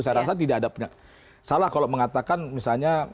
saya rasa tidak ada salah kalau mengatakan misalnya